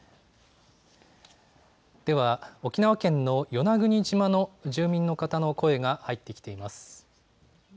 では沖縄県の与那国島の住民の方の声が入ってきています。